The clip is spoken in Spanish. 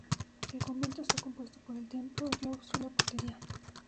El convento está compuesto por el templo, el claustro y la portería.